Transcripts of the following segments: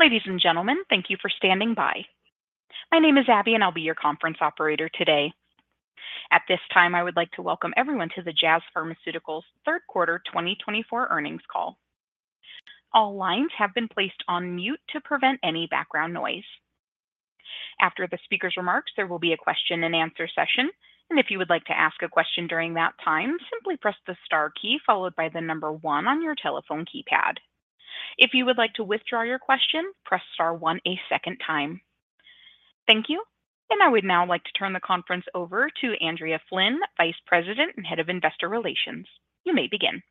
Ladies and gentlemen, thank you for standing by. My name is Abby, and I'll be your conference operator today. At this time, I would like to welcome everyone to the Jazz Pharmaceuticals' third quarter 2024 earnings call. All lines have been placed on mute to prevent any background noise. After the speaker's remarks, there will be a question-and-answer session, and if you would like to ask a question during that time, simply press the star key followed by the number one on your telephone keypad. If you would like to withdraw your question, press star one a second time. Thank you, and I would now like to turn the conference over to Andrea Flynn, Vice President and Head of Investor Relations. You may begin.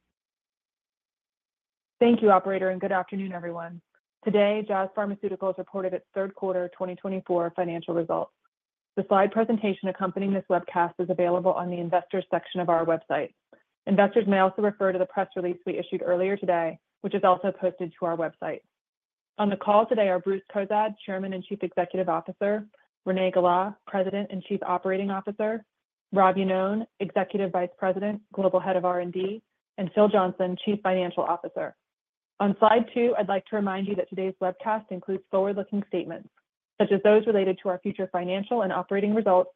Thank you, Operator, and good afternoon, everyone. Today, Jazz Pharmaceuticals reported its third quarter 2024 financial results. The slide presentation accompanying this webcast is available on the Investors section of our website. Investors may also refer to the press release we issued earlier today, which is also posted to our website. On the call today are Bruce Cozadd, Chairman and Chief Executive Officer, Renee Gala, President and Chief Operating Officer, Rob Iannone, Executive Vice President, Global Head of R&D, and Phil Johnson, Chief Financial Officer. On slide two, I'd like to remind you that today's webcast includes forward-looking statements such as those related to our future financial and operating results,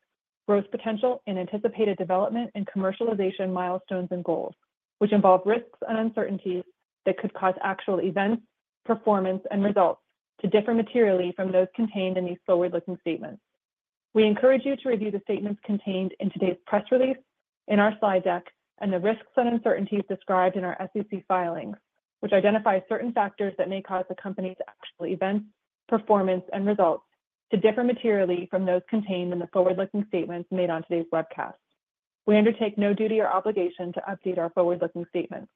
growth potential, and anticipated development and commercialization milestones and goals, which involve risks and uncertainties that could cause actual events, performance, and results to differ materially from those contained in these forward-looking statements. We encourage you to review the statements contained in today's press release, in our slide deck, and the risks and uncertainties described in our SEC filings, which identify certain factors that may cause the company's actual events, performance, and results to differ materially from those contained in the forward-looking statements made on today's webcast. We undertake no duty or obligation to update our forward-looking statements.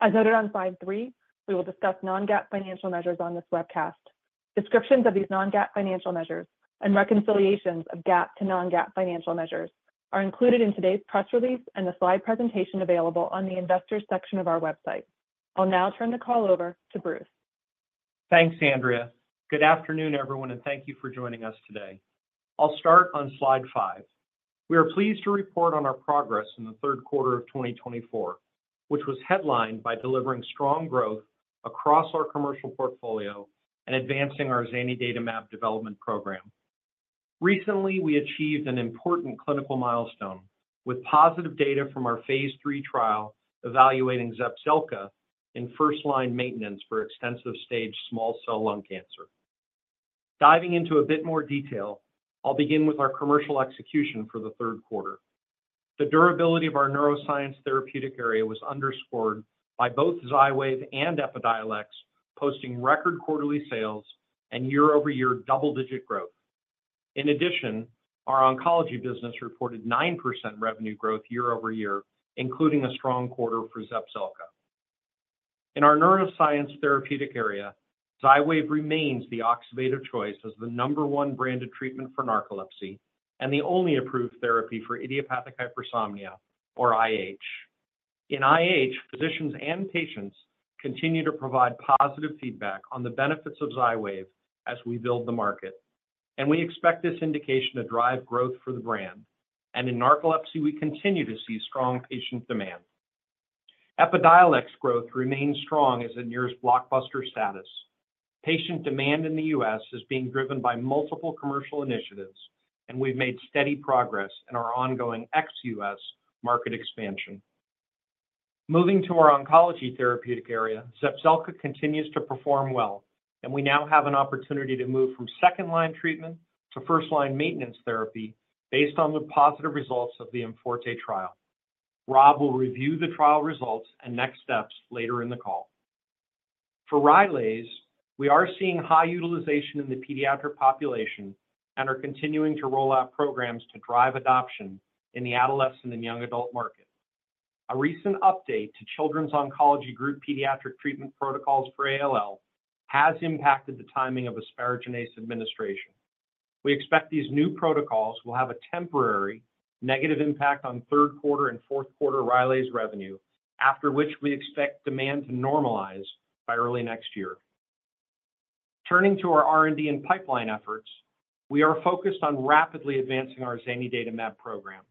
As noted on slide three, we will discuss non-GAAP financial measures on this webcast. Descriptions of these non-GAAP financial measures and reconciliations of GAAP to non-GAAP financial measures are included in today's press release and the slide presentation available on the Investors section of our website. I'll now turn the call over to Bruce. Thanks, Andrea. Good afternoon, everyone, and thank you for joining us today. I'll start on slide five. We are pleased to report on our progress in the third quarter of 2024, which was headlined by delivering strong growth across our commercial portfolio and advancing our zanidatamab development program. Recently, we achieved an important clinical milestone with positive data from our Phase 3 trial evaluating Zepzelca in first-line maintenance for extensive stage small cell lung cancer. Diving into a bit more detail, I'll begin with our commercial execution for the third quarter. The durability of our neuroscience therapeutic area was underscored by both Xywav and Epidiolex posting record quarterly sales and year-over-year double-digit growth. In addition, our oncology business reported 9% revenue growth year-over-year, including a strong quarter for Zepzelca. In our neuroscience therapeutic area, Xywav remains the oxybate choice as the number one branded treatment for narcolepsy and the only approved therapy for idiopathic hypersomnia, or IH. In IH, physicians and patients continue to provide positive feedback on the benefits of Xywav as we build the market, and we expect this indication to drive growth for the brand. In narcolepsy, we continue to see strong patient demand. Epidiolex growth remains strong as it nears blockbuster status. Patient demand in the U.S. is being driven by multiple commercial initiatives, and we've made steady progress in our ongoing ex-U.S. market expansion. Moving to our oncology therapeutic area, Zepzelca continues to perform well, and we now have an opportunity to move from second-line treatment to first-line maintenance therapy based on the positive results of the IMforte trial. Rob will review the trial results and next steps later in the call. For Rylaze, we are seeing high utilization in the pediatric population and are continuing to roll out programs to drive adoption in the adolescent and young adult market. A recent update to Children's Oncology Group pediatric treatment protocols for ALL has impacted the timing of asparaginase administration. We expect these new protocols will have a temporary negative impact on third-quarter and fourth-quarter Rylaze revenue, after which we expect demand to normalize by early next year. Turning to our R&D and pipeline efforts, we are focused on rapidly advancing our zanidatamab program.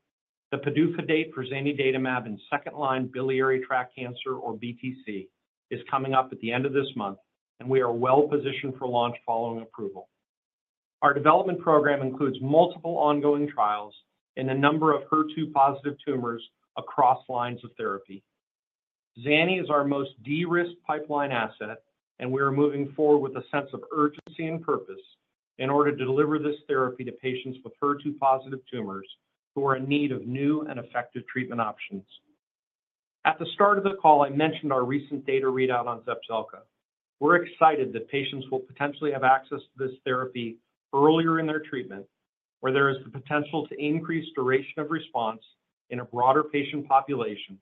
The PDUFA date for zanidatamab in second-line biliary tract cancer, or BTC, is coming up at the end of this month, and we are well-positioned for launch following approval. Our development program includes multiple ongoing trials in a number of HER2-positive tumors across lines of therapy. Zanidatamab is our most de-risked pipeline asset, and we are moving forward with a sense of urgency and purpose in order to deliver this therapy to patients with HER2-positive tumors who are in need of new and effective treatment options. At the start of the call, I mentioned our recent data readout on Zepzelca. We're excited that patients will potentially have access to this therapy earlier in their treatment, where there is the potential to increase duration of response in a broader patient population,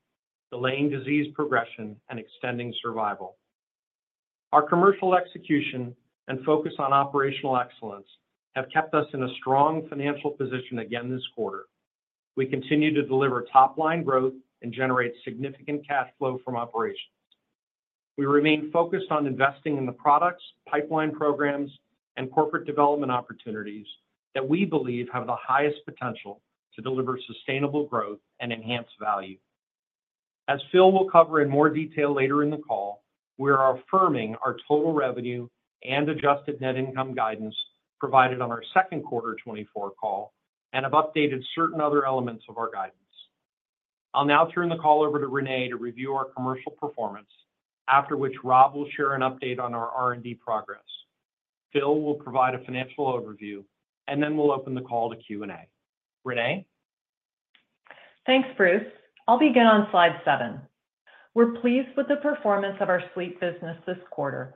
delaying disease progression and extending survival. Our commercial execution and focus on operational excellence have kept us in a strong financial position again this quarter. We continue to deliver top-line growth and generate significant cash flow from operations. We remain focused on investing in the products, pipeline programs, and corporate development opportunities that we believe have the highest potential to deliver sustainable growth and enhance value. As Phil will cover in more detail later in the call, we are affirming our total revenue and adjusted net income guidance provided on our second quarter 2024 call and have updated certain other elements of our guidance. I'll now turn the call over to Renee to review our commercial performance, after which Rob will share an update on our R&D progress. Phil will provide a financial overview, and then we'll open the call to Q&A. Renee? Thanks, Bruce. I'll begin on slide seven. We're pleased with the performance of our sleep business this quarter.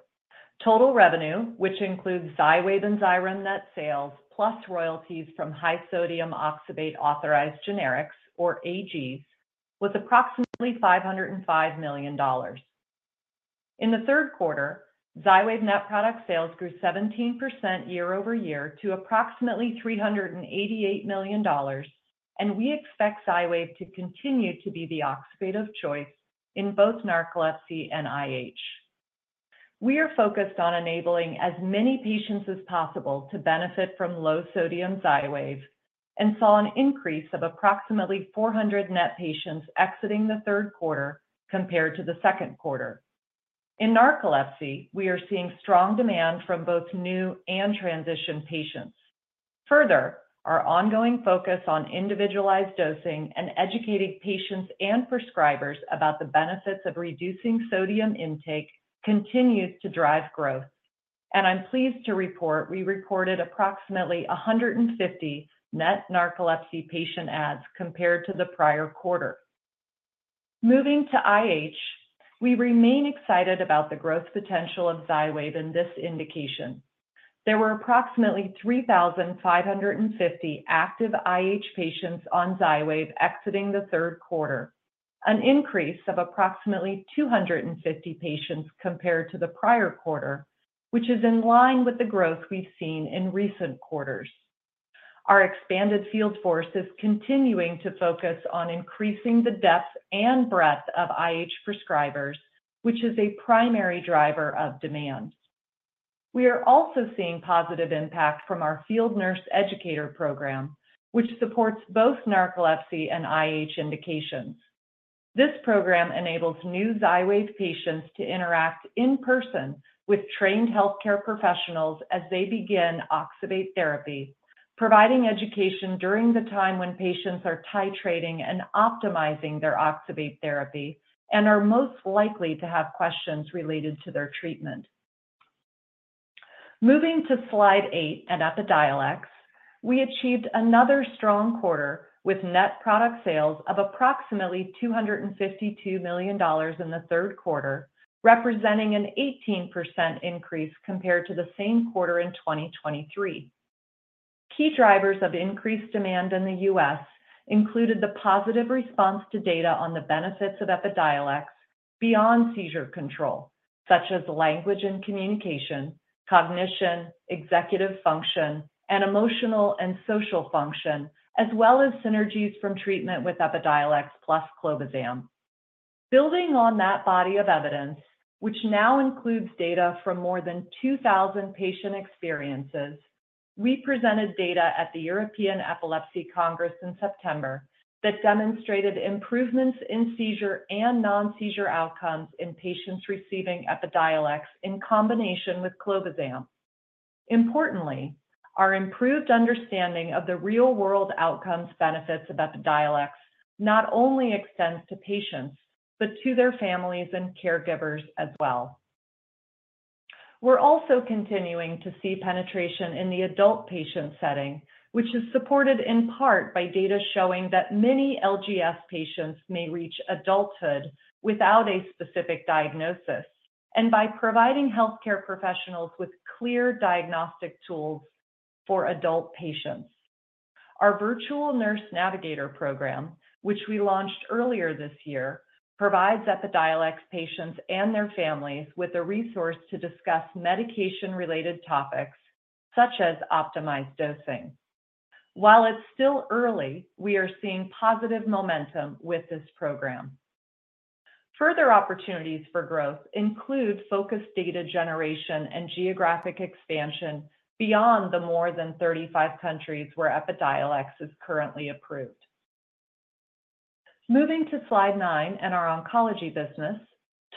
Total revenue, which includes Xywav and Xyrem net sales plus royalties from high-sodium oxybate authorized generics, or AGs, was approximately $505 million. In the third quarter, Xywav net product sales grew 17% year-over-year to approximately $388 million, and we expect Xywav to continue to be the oxybate of choice in both narcolepsy and IH. We are focused on enabling as many patients as possible to benefit from low-sodium Xywav and saw an increase of approximately 400 net patients exiting the third quarter compared to the second quarter. In narcolepsy, we are seeing strong demand from both new and transition patients. Further, our ongoing focus on individualized dosing and educating patients and prescribers about the benefits of reducing sodium intake continues to drive growth, and I'm pleased to report we recorded approximately 150 net narcolepsy patient adds compared to the prior quarter. Moving to IH, we remain excited about the growth potential of Xywav in this indication. There were approximately 3,550 active IH patients on Xywav exiting the third quarter, an increase of approximately 250 patients compared to the prior quarter, which is in line with the growth we've seen in recent quarters. Our expanded field force is continuing to focus on increasing the depth and breadth of IH prescribers, which is a primary driver of demand. We are also seeing positive impact from our field nurse educator program, which supports both narcolepsy and IH indications. This program enables new Xywav patients to interact in person with trained healthcare professionals as they begin oxybate therapy, providing education during the time when patients are titrating and optimizing their oxybate therapy and are most likely to have questions related to their treatment. Moving to slide eight and Epidiolex, we achieved another strong quarter with net product sales of approximately $252 million in the third quarter, representing an 18% increase compared to the same quarter in 2023. Key drivers of increased demand in the U.S. included the positive response to data on the benefits of Epidiolex beyond seizure control, such as language and communication, cognition, executive function, and emotional and social function, as well as synergies from treatment with Epidiolex plus clobazam. Building on that body of evidence, which now includes data from more than 2,000 patient experiences, we presented data at the European Epilepsy Congress in September that demonstrated improvements in seizure and non-seizure outcomes in patients receiving Epidiolex in combination with clobazam. Importantly, our improved understanding of the real-world outcomes benefits of Epidiolex not only extends to patients but to their families and caregivers as well. We're also continuing to see penetration in the adult patient setting, which is supported in part by data showing that many LGS patients may reach adulthood without a specific diagnosis and by providing healthcare professionals with clear diagnostic tools for adult patients. Our virtual nurse navigator program, which we launched earlier this year, provides Epidiolex patients and their families with a resource to discuss medication-related topics such as optimized dosing. While it's still early, we are seeing positive momentum with this program. Further opportunities for growth include focused data generation and geographic expansion beyond the more than 35 countries where Epidiolex is currently approved. Moving to slide nine and our oncology business,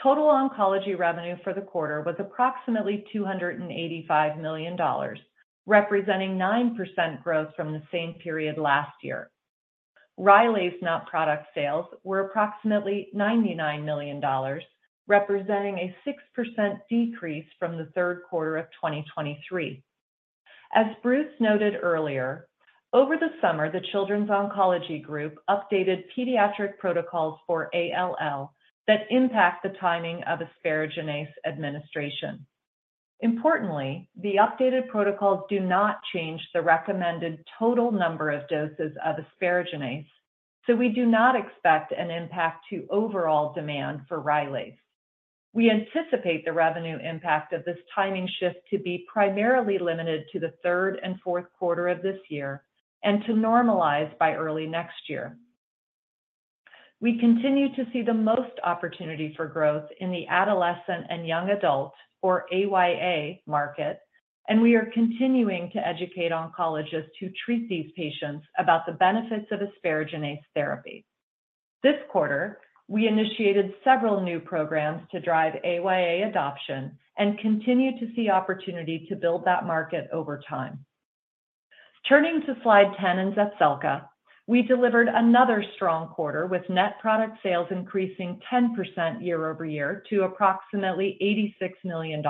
total oncology revenue for the quarter was approximately $285 million, representing 9% growth from the same period last year. Rylaze net product sales were approximately $99 million, representing a 6% decrease from the third quarter of 2023. As Bruce noted earlier, over the summer, the Children's Oncology Group updated pediatric protocols for ALL that impact the timing of asparaginase administration. Importantly, the updated protocols do not change the recommended total number of doses of asparaginase, so we do not expect an impact to overall demand for Rylaze. We anticipate the revenue impact of this timing shift to be primarily limited to the third and fourth quarter of this year and to normalize by early next year. We continue to see the most opportunity for growth in the adolescent and young adult, or AYA, market, and we are continuing to educate oncologists who treat these patients about the benefits of asparaginase therapy. This quarter, we initiated several new programs to drive AYA adoption and continue to see opportunity to build that market over time. Turning to slide 10 in Zepzelka, we delivered another strong quarter with net product sales increasing 10% year-over-year to approximately $86 million.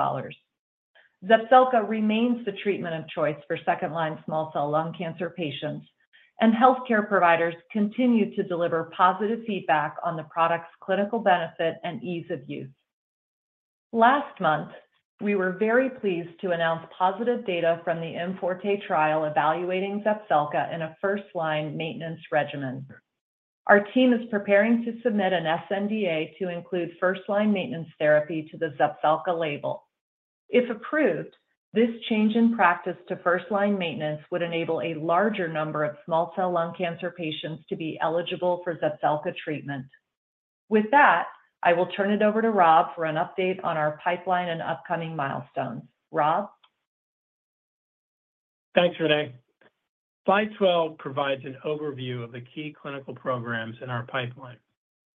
Zepzelka remains the treatment of choice for second-line small cell lung cancer patients, and healthcare providers continue to deliver positive feedback on the product's clinical benefit and ease of use. Last month, we were very pleased to announce positive data from the IMforte trial evaluating Zepzelka in a first-line maintenance regimen. Our team is preparing to submit an sNDA to include first-line maintenance therapy to the Zepzelka label. If approved, this change in practice to first-line maintenance would enable a larger number of small cell lung cancer patients to be eligible for Zepzelca treatment. With that, I will turn it over to Rob for an update on our pipeline and upcoming milestones. Rob? Thanks, Renee. Slide 12 provides an overview of the key clinical programs in our pipeline.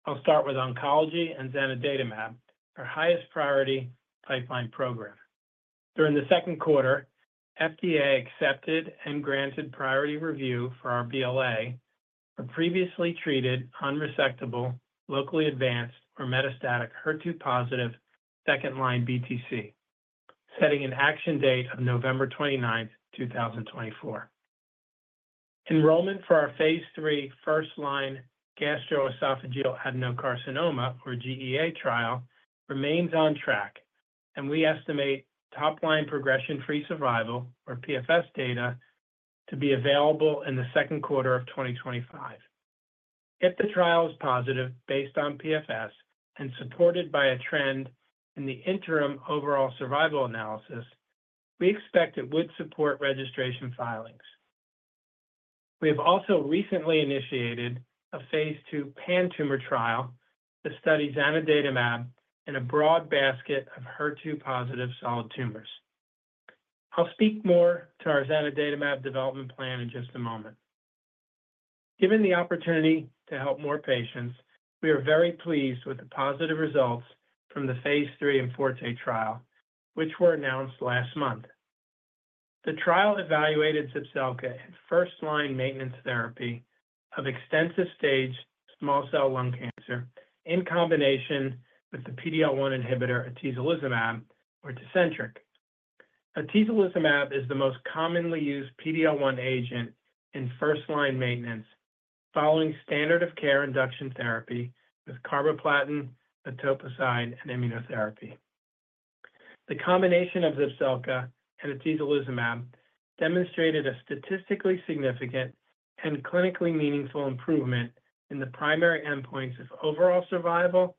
I'll start with oncology and zanidatamab, our highest priority pipeline program. During the second quarter, FDA accepted and granted priority review for our BLA for previously treated, unresectable, locally advanced, or metastatic HER2-positive second-line BTC, setting an action date of November 29, 2024. Enrollment for our Phase 3 first-line gastroesophageal adenocarcinoma, or GEA trial, remains on track, and we estimate top-line progression-free survival, or PFS, data to be available in the second quarter of 2025. If the trial is positive based on PFS and supported by a trend in the interim overall survival analysis, we expect it would support registration filings. We have also recently initiated a Phase 2 pan-tumor trial to study zanidatamab in a broad basket of HER2-positive solid tumors. I'll speak more to our zanidatamab development plan in just a moment. Given the opportunity to help more patients, we are very pleased with the positive results from the Phase 3 IMforte trial, which were announced last month. The trial evaluated Zepzelca in first-line maintenance therapy of extensive stage small cell lung cancer in combination with the PD-L1 inhibitor atezolizumab, or Tecentriq. Atezolizumab is the most commonly used PD-L1 agent in first-line maintenance following standard of care induction therapy with carboplatin, etoposide, and immunotherapy. The combination of Zepzelca and atezolizumab demonstrated a statistically significant and clinically meaningful improvement in the primary endpoints of overall survival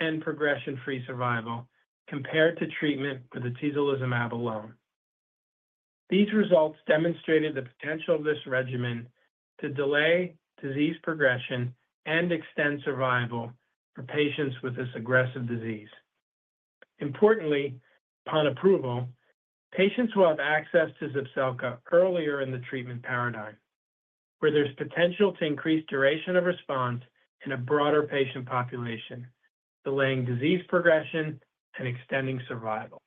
and progression-free survival compared to treatment with atezolizumab alone. These results demonstrated the potential of this regimen to delay disease progression and extend survival for patients with this aggressive disease. Importantly, upon approval, patients will have access to Zepzelca earlier in the treatment paradigm, where there's potential to increase duration of response in a broader patient population, delaying disease progression and extending survival.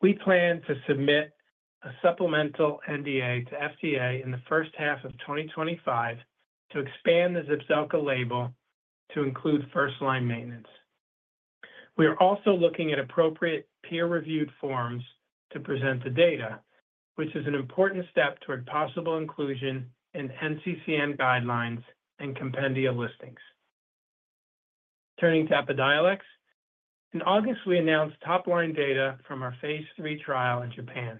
We plan to submit a supplemental NDA to FDA in the first half of 2025 to expand the Zepzelca label to include first-line maintenance. We are also looking at appropriate peer-reviewed forms to present the data, which is an important step toward possible inclusion in NCCN guidelines and compendia listings. Turning to Epidiolex, in August, we announced top-line data from our Phase 3 trial in Japan.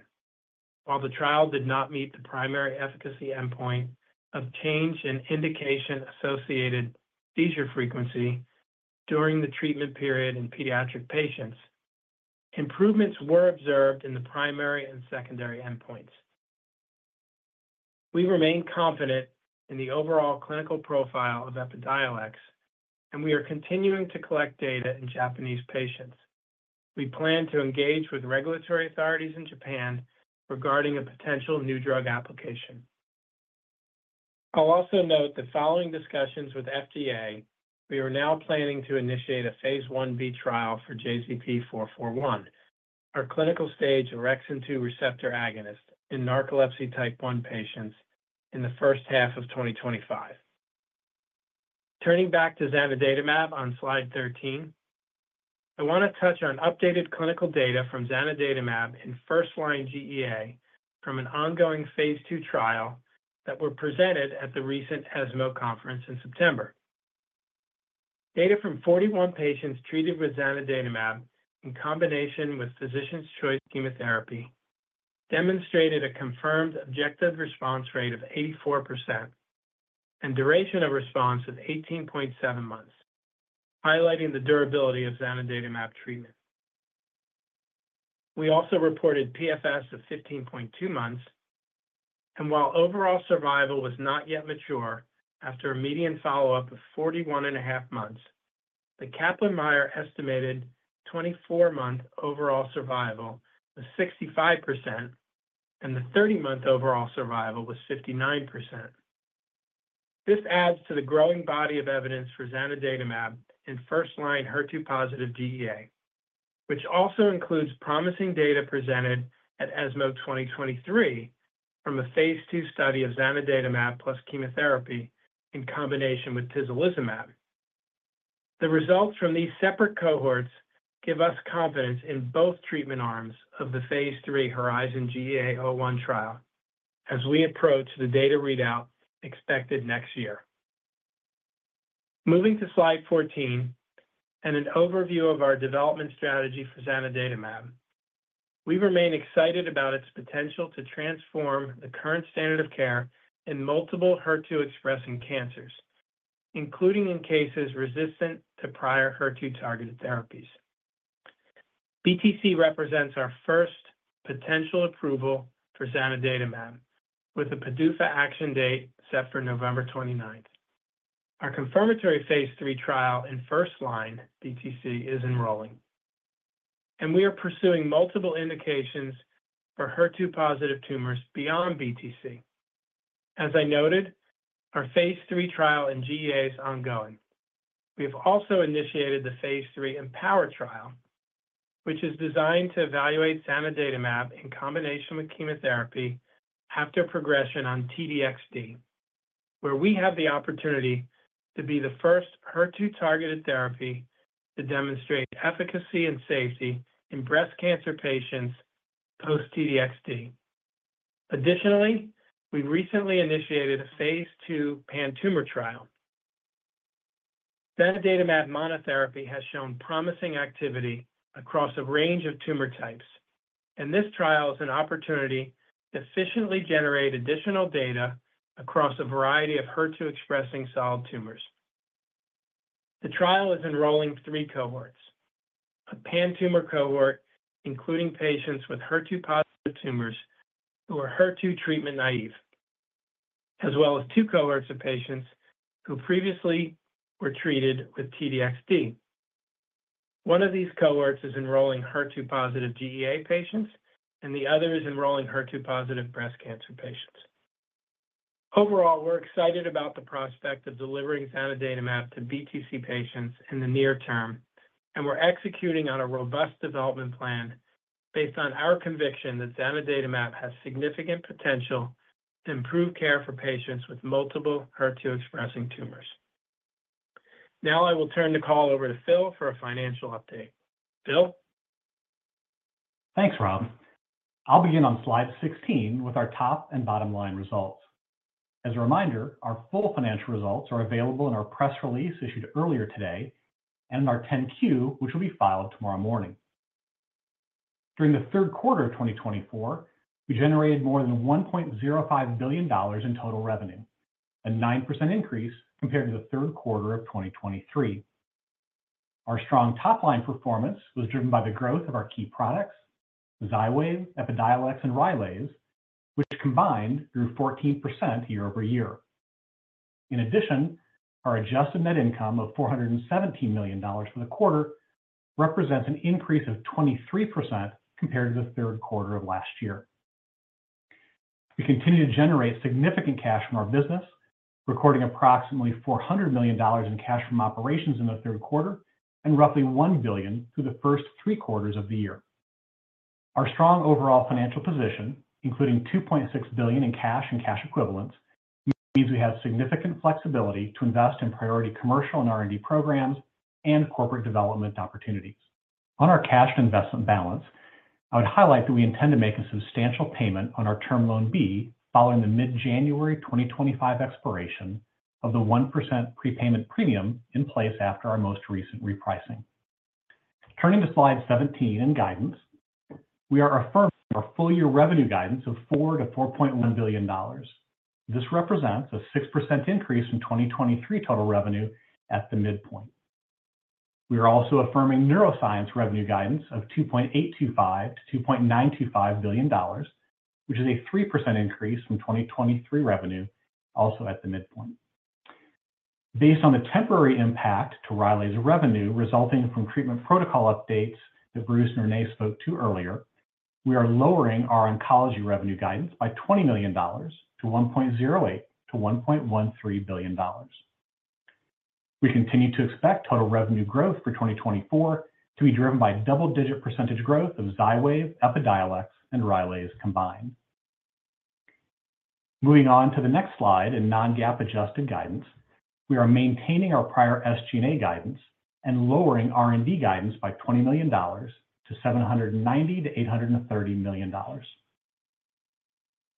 While the trial did not meet the primary efficacy endpoint of change in indication-associated seizure frequency during the treatment period in pediatric patients, improvements were observed in the primary and secondary endpoints. We remain confident in the overall clinical profile of Epidiolex, and we are continuing to collect data in Japanese patients. We plan to engage with regulatory authorities in Japan regarding a potential new drug application. I'll also note the following discussions with FDA: we are now planning to initiate a Phase 1b trial for JZP441, our clinical stage orexin-2 receptor agonist in narcolepsy type 1 patients in the first half of 2025. Turning back to zanidatamab on slide 13, I want to touch on updated clinical data from zanidatamab in first-line GEA from an ongoing Phase 2 trial that were presented at the recent ESMO conference in September. Data from 41 patients treated with zanidatamab in combination with physician's choice chemotherapy demonstrated a confirmed objective response rate of 84% and duration of response of 18.7 months, highlighting the durability of zanidatamab treatment. We also reported PFS of 15.2 months, and while overall survival was not yet mature after a median follow-up of 41.5 months, the Kaplan-Meier estimated 24-month overall survival was 65% and the 30-month overall survival was 59%. This adds to the growing body of evidence for zanidatamab in first-line HER2-positive GEA, which also includes promising data presented at ESMO 2023 from a Phase 2 study of zanidatamab plus chemotherapy in combination with atezolizumab. The results from these separate cohorts give us confidence in both treatment arms of the Phase 3 HERIZON-GEA-01 trial as we approach the data readout expected next year. Moving to slide 14 and an overview of our development strategy for zanidatamab, we remain excited about its potential to transform the current standard of care in multiple HER2-expressing cancers, including in cases resistant to prior HER2-targeted therapies. BTC represents our first potential approval for zanidatamab with a PDUFA action date set for November 29. Our confirmatory Phase 3 trial in first-line BTC is enrolling, and we are pursuing multiple indications for HER2-positive tumors beyond BTC. As I noted, our Phase 3 trial in GEA is ongoing. We have also initiated the Phase 3 EmpowHER trial, which is designed to evaluate zanidatamab in combination with chemotherapy after progression on T-DXd, where we have the opportunity to be the first HER2-targeted therapy to demonstrate efficacy and safety in breast cancer patients post-T-DXd. Additionally, we recently initiated a Phase 2 pan-tumor trial. Zanidatamab monotherapy has shown promising activity across a range of tumor types, and this trial is an opportunity to efficiently generate additional data across a variety of HER2-expressing solid tumors. The trial is enrolling three cohorts: a pan-tumor cohort including patients with HER2-positive tumors who are HER2 treatment naive, as well as two cohorts of patients who previously were treated with T-DXd. One of these cohorts is enrolling HER2-positive GEA patients, and the other is enrolling HER2-positive breast cancer patients. Overall, we're excited about the prospect of delivering zanidatamab to BTC patients in the near term, and we're executing on a robust development plan based on our conviction that zanidatamab has significant potential to improve care for patients with multiple HER2-expressing tumors. Now I will turn the call over to Phil for a financial update. Phil? Thanks, Rob. I'll begin on slide 16 with our top and bottom line results. As a reminder, our full financial results are available in our press release issued earlier today and in our 10-Q, which will be filed tomorrow morning. During the third quarter of 2024, we generated more than $1.05 billion in total revenue, a 9% increase compared to the third quarter of 2023. Our strong top-line performance was driven by the growth of our key products, Xywav, Epidiolex, and Rylaze, which combined grew 14% year-over-year. In addition, our adjusted net income of $417 million for the quarter represents an increase of 23% compared to the third quarter of last year. We continue to generate significant cash from our business, recording approximately $400 million in cash from operations in the third quarter and roughly $1 billion through the first three quarters of the year. Our strong overall financial position, including $2.6 billion in cash and cash equivalents, means we have significant flexibility to invest in priority commercial and R&D programs and corporate development opportunities. On our cash and investment balance, I would highlight that we intend to make a substantial payment on our term loan B following the mid-January 2025 expiration of the 1% prepayment premium in place after our most recent repricing. Turning to slide 17 and guidance, we are affirming our full-year revenue guidance of $4 billion-$4.1 billion. This represents a 6% increase in 2023 total revenue at the midpoint. We are also affirming neuroscience revenue guidance of $2.825 billion-$2.925 billion, which is a 3% increase from 2023 revenue, also at the midpoint. Based on the temporary impact to Rylaze revenue resulting from treatment protocol updates that Bruce and Renee spoke to earlier, we are lowering our oncology revenue guidance by $20 million to $1.08 billion-$1.13 billion. We continue to expect total revenue growth for 2024 to be driven by double-digit percentage growth of Xywav, Epidiolex, and Rylaze combined. Moving on to the next slide in non-GAAP adjusted guidance, we are maintaining our prior SG&A guidance and lowering R&D guidance by $20 million to $790 million-$830 million.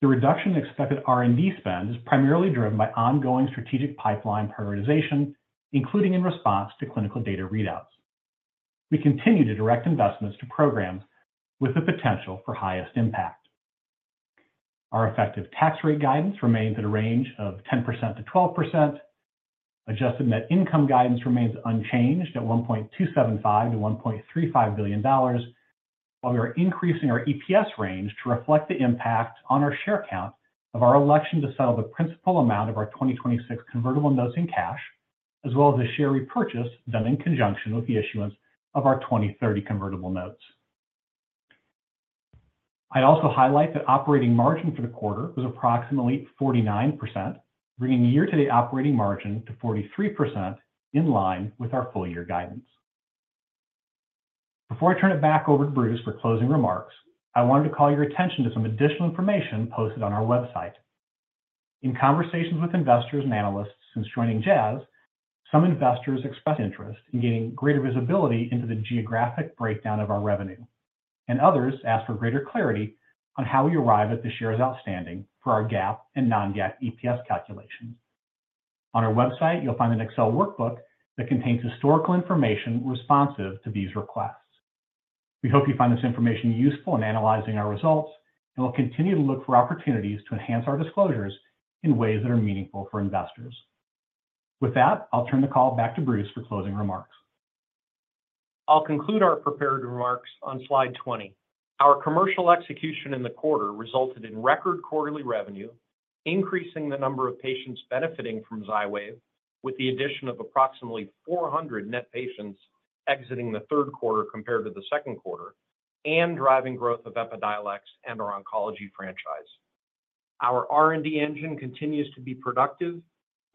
The reduction in expected R&D spend is primarily driven by ongoing strategic pipeline prioritization, including in response to clinical data readouts. We continue to direct investments to programs with the potential for highest impact. Our effective tax rate guidance remains at a range of 10%-12%. Adjusted net income guidance remains unchanged at $1.275 billion-$1.35 billion, while we are increasing our EPS range to reflect the impact on our share count of our election to settle the principal amount of our 2026 convertible notes in cash, as well as the share repurchase done in conjunction with the issuance of our 2030 convertible notes. I'd also highlight that operating margin for the quarter was approximately 49%, bringing year-to-date operating margin to 43% in line with our full-year guidance. Before I turn it back over to Bruce for closing remarks, I wanted to call your attention to some additional information posted on our website. In conversations with investors and analysts since joining Jazz, some investors expressed interest in getting greater visibility into the geographic breakdown of our revenue, and others asked for greater clarity on how we arrive at the shares outstanding for our GAAP and non-GAAP EPS calculations. On our website, you'll find an Excel workbook that contains historical information responsive to these requests. We hope you find this information useful in analyzing our results, and we'll continue to look for opportunities to enhance our disclosures in ways that are meaningful for investors. With that, I'll turn the call back to Bruce for closing remarks. I'll conclude our prepared remarks on slide 20. Our commercial execution in the quarter resulted in record quarterly revenue, increasing the number of patients benefiting from Xywav with the addition of approximately 400 net patients exiting the third quarter compared to the second quarter and driving growth of Epidiolex and our oncology franchise. Our R&D engine continues to be productive,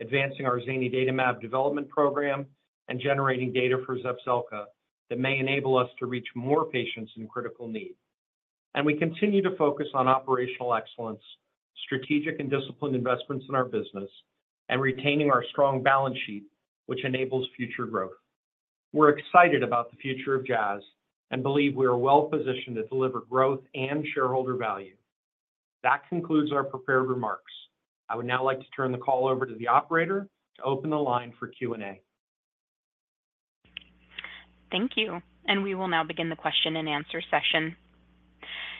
advancing our zanidatamab development program and generating data for Zepzelca that may enable us to reach more patients in critical need. We continue to focus on operational excellence, strategic and disciplined investments in our business, and retaining our strong balance sheet, which enables future growth. We're excited about the future of Jazz and believe we are well-positioned to deliver growth and shareholder value. That concludes our prepared remarks. I would now like to turn the call over to the operator to open the line for Q&A. Thank you. And we will now begin the question and answer session.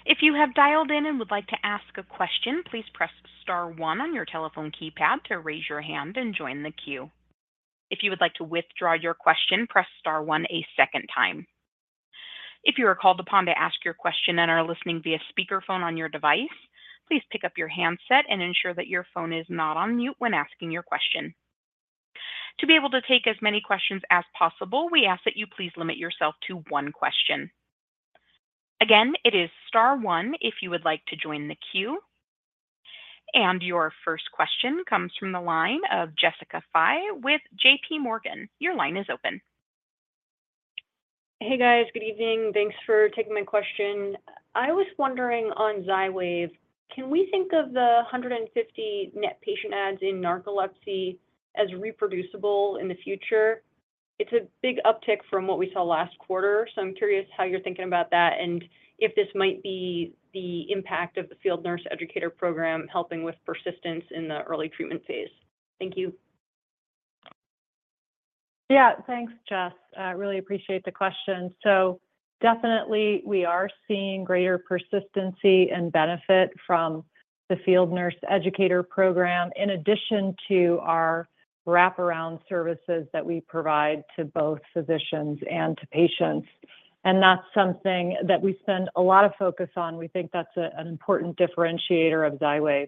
If you have dialed in and would like to ask a question, please press star one on your telephone keypad to raise your hand and join the queue. If you would like to withdraw your question, press star one a second time. If you are called upon to ask your question and are listening via speakerphone on your device, please pick up your handset and ensure that your phone is not on mute when asking your question. To be able to take as many questions as possible, we ask that you please limit yourself to one question. Again, it is star one if you would like to join the queue. And your first question comes from the line of Jessica Fye with JP Morgan. Your line is open. Hey, guys. Good evening. Thanks for taking my question. I was wondering on Xywav, can we think of the 150 net patient adds in narcolepsy as reproducible in the future? It's a big uptick from what we saw last quarter, so I'm curious how you're thinking about that and if this might be the impact of the field nurse educator program helping with persistence in the early treatment phase. Thank you. Yeah, thanks, Jess. I really appreciate the question. So definitely, we are seeing greater persistency and benefit from the field nurse educator program in addition to our wraparound services that we provide to both physicians and to patients. And that's something that we spend a lot of focus on. We think that's an important differentiator of Xywav.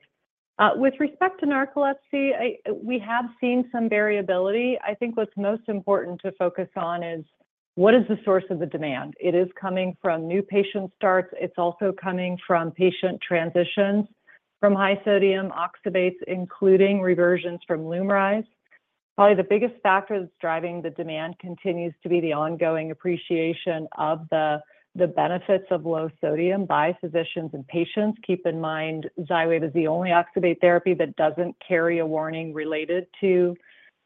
With respect to narcolepsy, we have seen some variability. I think what's most important to focus on is what is the source of the demand? It is coming from new patient starts. It's also coming from patient transitions from high sodium oxybates, including reversions from Lumryz. Probably the biggest factor that's driving the demand continues to be the ongoing appreciation of the benefits of low sodium by physicians and patients. Keep in mind, Xywav is the only oxybate therapy that doesn't carry a warning related to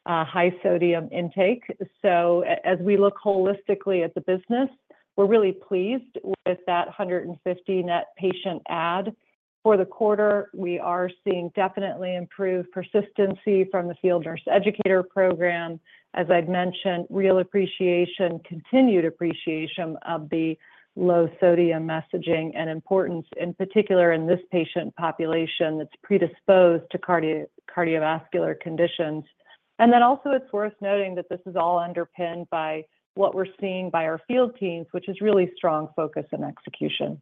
high sodium intake. So as we look holistically at the business, we're really pleased with that 150 net patient add. For the quarter, we are seeing definitely improved persistency from the field nurse educator program. As I'd mentioned, real appreciation, continued appreciation of the low sodium messaging and importance, in particular in this patient population that's predisposed to cardiovascular conditions. And then also, it's worth noting that this is all underpinned by what we're seeing by our field teams, which is really strong focus and execution.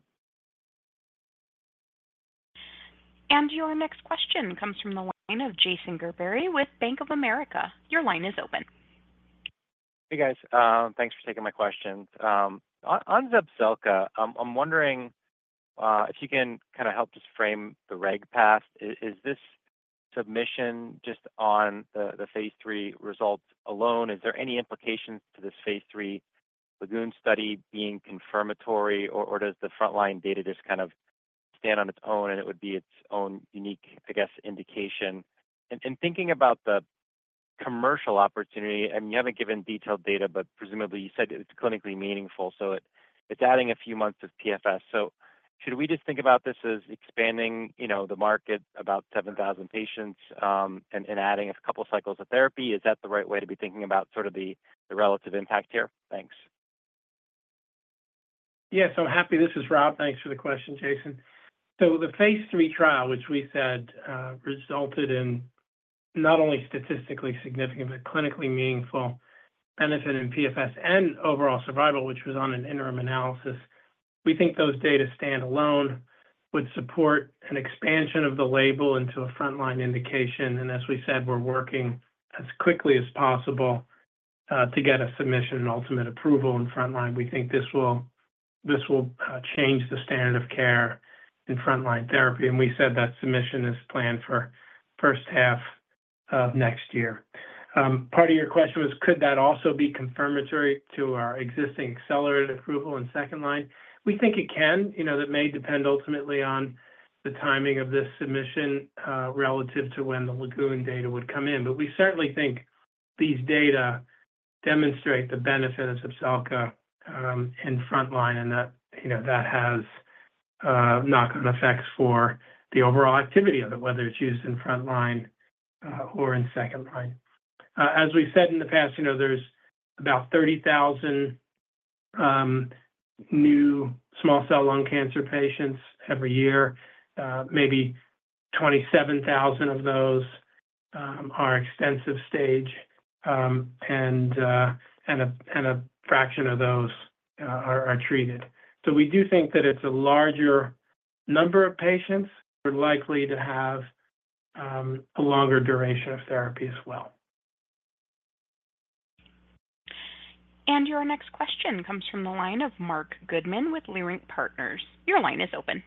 Your next question comes from the line of Jason Gerberry with Bank of America. Your line is open. Hey, guys. Thanks for taking my question. On Zepzelca, I'm wondering if you can kind of help just frame the reg path. Is this submission just on the Phase 3 results alone? Is there any implications to this Phase 3 LAGOON study being confirmatory, or does the frontline data just kind of stand on its own and it would be its own unique, I guess, indication? And thinking about the commercial opportunity, I mean, you haven't given detailed data, but presumably you said it's clinically meaningful, so it's adding a few months of PFS. So should we just think about this as expanding the market, about 7,000 patients, and adding a couple cycles of therapy? Is that the right way to be thinking about sort of the relative impact here? Thanks. Yeah, so this is Rob. Thanks for the question, Jason. So the Phase 3 trial, which we said resulted in not only statistically significant but clinically meaningful benefit in PFS and overall survival, which was on an interim analysis. We think those data stand alone, would support an expansion of the label into a frontline indication. And as we said, we're working as quickly as possible to get a submission and ultimate approval in frontline. We think this will change the standard of care in frontline therapy. And we said that submission is planned for the first half of next year. Part of your question was, could that also be confirmatory to our existing accelerated approval in second line? We think it can. That may depend ultimately on the timing of this submission relative to when the LAGOON data would come in. But we certainly think these data demonstrate the benefit of Zepzelca in frontline and that that has knock-on effects for the overall activity of it, whether it's used in frontline or in second line. As we've said in the past, there's about 30,000 new small cell lung cancer patients every year. Maybe 27,000 of those are extensive stage, and a fraction of those are treated. So we do think that it's a larger number of patients who are likely to have a longer duration of therapy as well. Your next question comes from the line of Marc Goodman with Leerink Partners. Your line is open.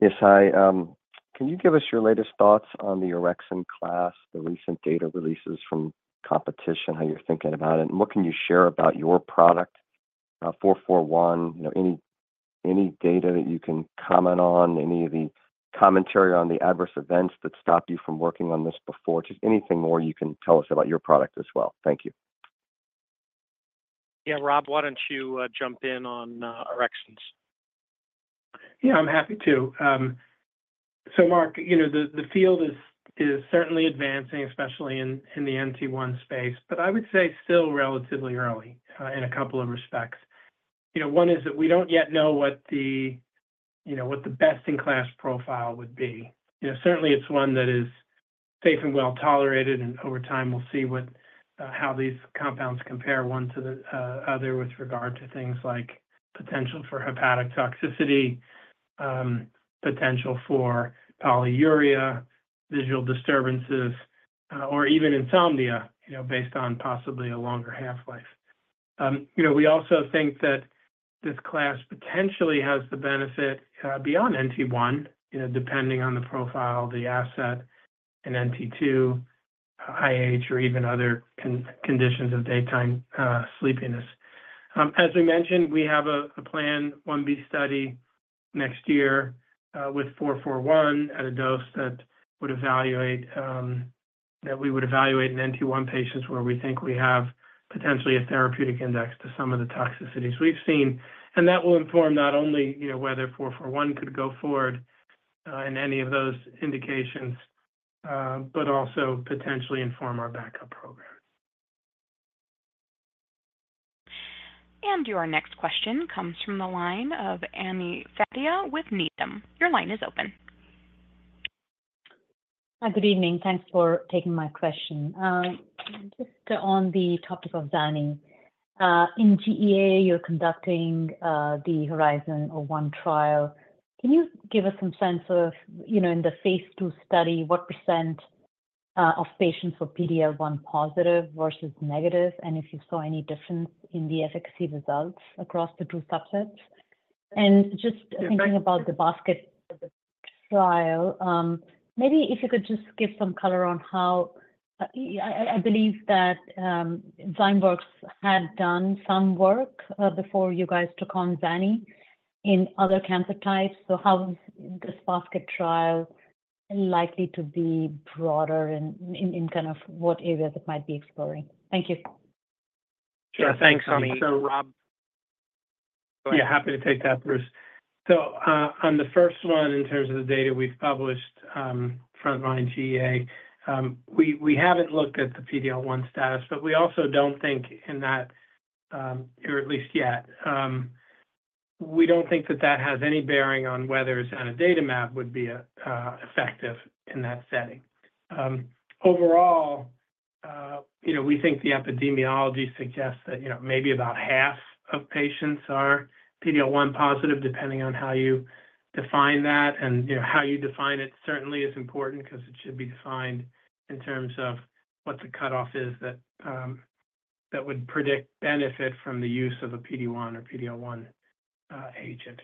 Yes, hi. Can you give us your latest thoughts on the orexin class, the recent data releases from competitors, how you're thinking about it, and what can you share about your product, 441, any data that you can comment on, any of the commentary on the adverse events that stopped you from working on this before, just anything more you can tell us about your product as well? Thank you. Yeah, Rob, why don't you jump in on orexins? Yeah, I'm happy to. So Marc, the field is certainly advancing, especially in the NT1 space, but I would say still relatively early in a couple of respects. One is that we don't yet know what the best-in-class profile would be. Certainly, it's one that is safe and well tolerated, and over time, we'll see how these compounds compare one to the other with regard to things like potential for hepatic toxicity, potential for polyuria, visual disturbances, or even insomnia based on possibly a longer half-life. We also think that this class potentially has the benefit beyond NT1, depending on the profile, the asset, and NT2, IH, or even other conditions of daytime sleepiness. As we mentioned, we have a plan, a Phase 1b study next year with 441 at a dose that we would evaluate in NT1 patients where we think we have potentially a therapeutic index to some of the toxicities we've seen. That will inform not only whether 441 could go forward in any of those indications, but also potentially inform our backup program. Your next question comes from the line of Ami Fadia with Needham. Your line is open. Hi, good evening. Thanks for taking my question. Just on the topic of zanidatamab, in GEA, you're conducting the HERIZON-GEA-01 trial. Can you give us some sense of, in the Phase 2 study, what % of patients were PD-L1 positive versus negative and if you saw any difference in the efficacy results across the two subsets? And just thinking about the basket trial, maybe if you could just give some color on how I believe that Zymeworks had done some work before you guys took on zanidatamab in other cancer types. So how is this basket trial likely to be broader in kind of what areas it might be exploring? Thank you. Sure. Thanks, Ami. So, Rob. Yeah, happy to take that, Bruce. So on the first one, in terms of the data we've published, frontline GEA, we haven't looked at the PD-L1 status, but we also don't think in that, or at least yet, we don't think that that has any bearing on whether a zanidatamab would be effective in that setting. Overall, we think the epidemiology suggests that maybe about half of patients are PD-L1 positive, depending on how you define that. And how you define it certainly is important because it should be defined in terms of what the cutoff is that would predict benefit from the use of a PD-1 or PD-L1 agent.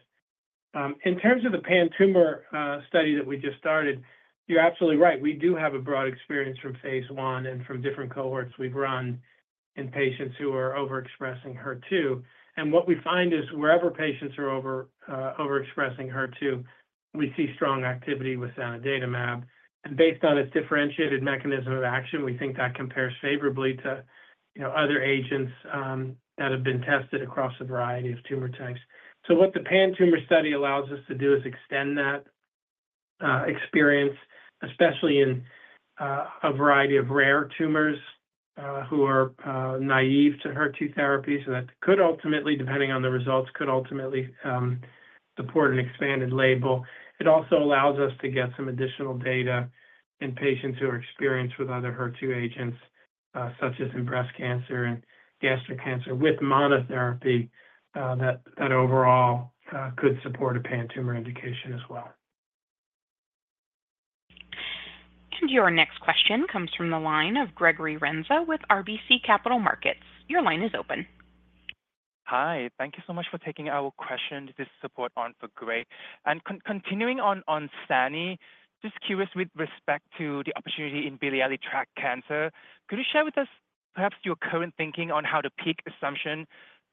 In terms of the pan-tumor study that we just started, you're absolutely right. We do have a broad experience from Phase 1 and from different cohorts we've run in patients who are overexpressing HER2. What we find is wherever patients are overexpressing HER2, we see strong activity with zanidatamab. Based on its differentiated mechanism of action, we think that compares favorably to other agents that have been tested across a variety of tumor types. What the pan-tumor study allows us to do is extend that experience, especially in a variety of rare tumors who are naive to HER2 therapies that could ultimately, depending on the results, support an expanded label. It also allows us to get some additional data in patients who are experienced with other HER2 agents, such as in breast cancer and gastric cancer, with monotherapy that overall could support a pan-tumor indication as well. Your next question comes from the line of Gregory Renza with RBC Capital Markets. Your line is open. Hi. Thank you so much for taking our question. This is for Greg. And continuing on zanidatamab, just curious with respect to the opportunity in biliary tract cancer, could you share with us perhaps your current thinking on how the peak assumption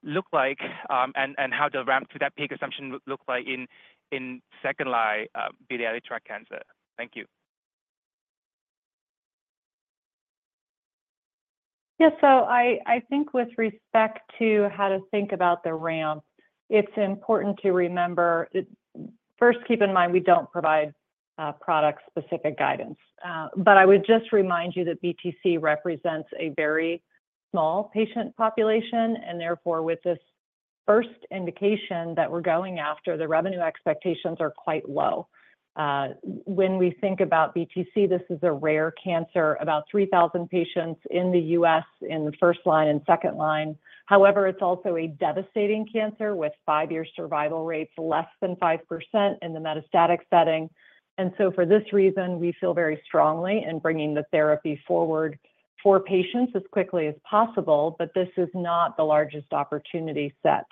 looked like and how the ramp to that peak assumption would look like in second-line biliary tract cancer? Thank you. Yeah, so I think with respect to how to think about the ramp, it's important to remember, first, keep in mind we don't provide product-specific guidance. But I would just remind you that BTC represents a very small patient population. And therefore, with this first indication that we're going after, the revenue expectations are quite low. When we think about BTC, this is a rare cancer, about 3,000 patients in the U.S. in first line and second line. However, it's also a devastating cancer with five-year survival rates less than 5% in the metastatic setting. And so for this reason, we feel very strongly in bringing the therapy forward for patients as quickly as possible, but this is not the largest opportunity set.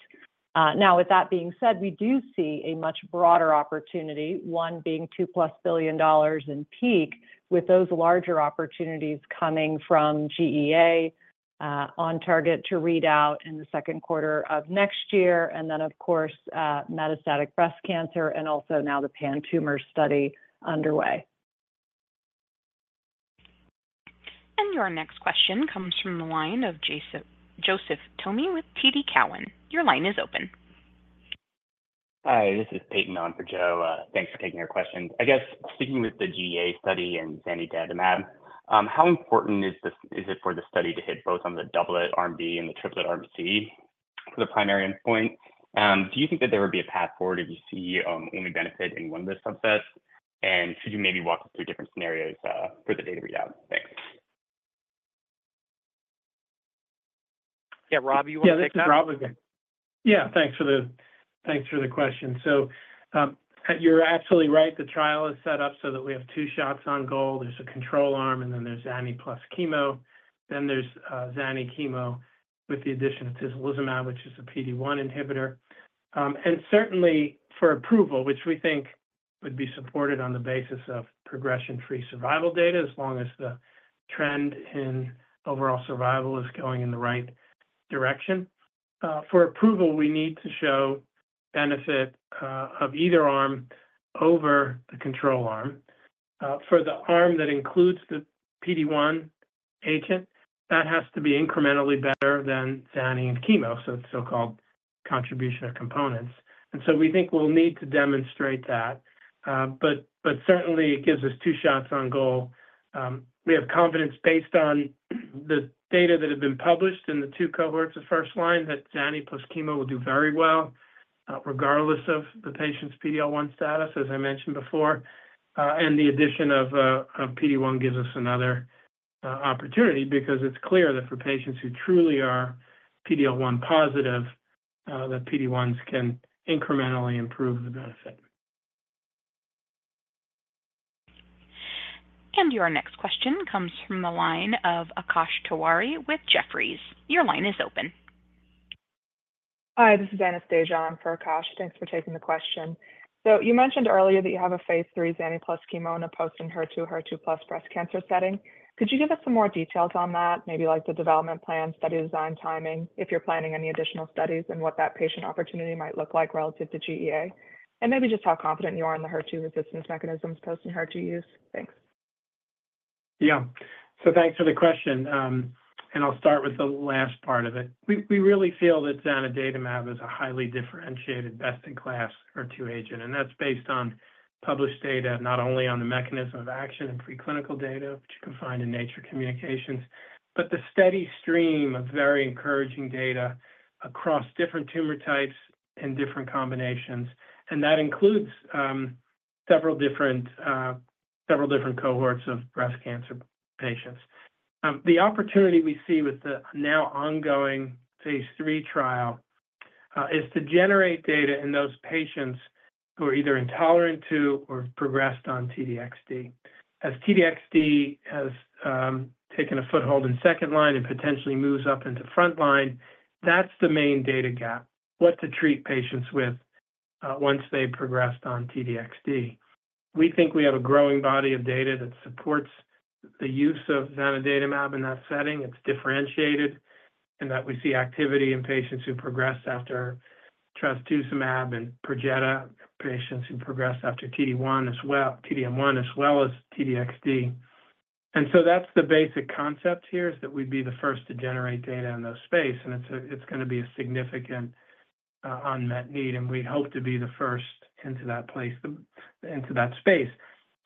Now, with that being said, we do see a much broader opportunity, one being $2+ billion in peak, with those larger opportunities coming from GEA on target to read out in the second quarter of next year. And then, of course, metastatic breast cancer and also now the pan-tumor study underway. Your next question comes from the line of Joseph Thome with TD Cowen. Your line is open. Hi, this is Peyton on for Joe. Thanks for taking our questions. I guess starting with the GEA study and zanidatamab, how important is it for the study to hit both on the doublet arm B and the triplet arm C for the primary endpoint? Do you think that there would be a path forward if you see only benefit in one of the subsets? And could you maybe walk us through different scenarios for the data readout? Thanks. Yeah, Rob, you want to take that? Yeah, thanks for the question. So you're absolutely right. The trial is set up so that we have two shots on goal. There's a control arm, and then there's zanidatamab plus chemo. Then there's zanidatamab chemo with the addition of tislelizumab, which is a PD-1 inhibitor. And certainly for approval, which we think would be supported on the basis of progression-free survival data as long as the trend in overall survival is going in the right direction. For approval, we need to show benefit of either arm over the control arm. For the arm that includes the PD-1 agent, that has to be incrementally better than zanidatamab and chemo, so it's so-called contribution or components. And so we think we'll need to demonstrate that. But certainly, it gives us two shots on goal. We have confidence based on the data that have been published in the two cohorts of first line that zanidatamab plus chemo will do very well regardless of the patient's PD-L1 status, as I mentioned before, and the addition of PD-1 gives us another opportunity because it's clear that for patients who truly are PD-L1 positive, the PD-1s can incrementally improve the benefit. Your next question comes from the line of Akash Tewari with Jefferies. Your line is open. Hi, this is Anastasia for Akash. Thanks for taking the question. So you mentioned earlier that you have a Phase 3 zanidatamab plus chemo in a post-anti-HER2, HER2-positive breast cancer setting. Could you give us some more details on that, maybe like the development plan, study design timing, if you're planning any additional studies, and what that patient opportunity might look like relative to GEA? And maybe just how confident you are in the HER2 resistance mechanisms post-anti-HER2 use? Thanks. Yeah, so thanks for the question, and I'll start with the last part of it. We really feel that zanidatamab is a highly differentiated best-in-class HER2 agent, and that's based on published data, not only on the mechanism of action and preclinical data, which you can find in Nature Communications, but the steady stream of very encouraging data across different tumor types and different combinations, and that includes several different cohorts of breast cancer patients. The opportunity we see with the now ongoing Phase 3 trial is to generate data in those patients who are either intolerant to or progressed on T-DXd. As T-DXd has taken a foothold in second line and potentially moves up into front line, that's the main data gap, what to treat patients with once they've progressed on T-DXd. We think we have a growing body of data that supports the use of zanidatamab in that setting. It's differentiated in that we see activity in patients who progressed after trastuzumab and Perjeta, patients who progressed after T-DM1 as well as T-DXd, and so that's the basic concept here, is that we'd be the first to generate data in that space, and it's going to be a significant unmet need, and we hope to be the first into that space.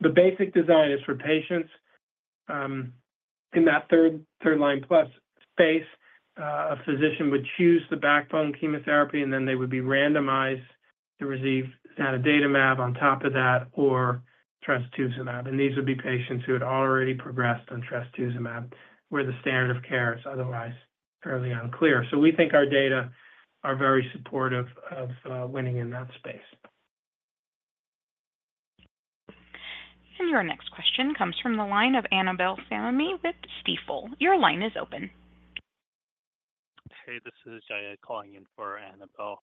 The basic design is for patients in that third-line plus space. A physician would choose the backbone chemotherapy, and then they would be randomized to receive zanidatamab on top of that or trastuzumab, and these would be patients who had already progressed on trastuzumab where the standard of care is otherwise fairly unclear, so we think our data are very supportive of winning in that space. Your next question comes from the line of Annabel Samimy with Stifel. Your line is open. Hey, this is Jaya calling in for Annabel.